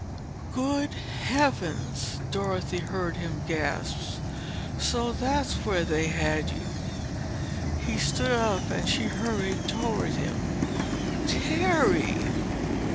"Good heavens!" Dorothy heard him gasp. "So that's where they had you!" He stood up and she hurried toward him. "_Terry!